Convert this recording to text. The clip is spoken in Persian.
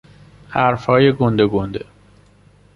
حرفهای گنده گنده